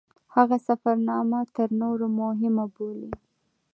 هغه سفرنامه تر نورو مهمه بولي.